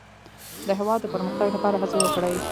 د هېواد د پرمختګ لپاره هڅې وکړئ.